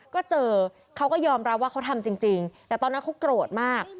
ก็เจอเขาก็ยอมรับว่าเขาทำจริงแต่ตอนนั้นเขาโกรธมาก